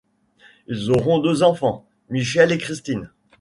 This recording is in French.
Ils auront deux enfants, Michel et Christine.